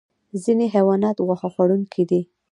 ځینې حیوانات غوښه خوړونکي دي